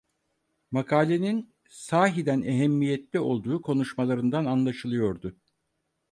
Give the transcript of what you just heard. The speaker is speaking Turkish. Makalenin sahiden ehemmiyetli olduğu konuşmalarından anlaşılıyordu.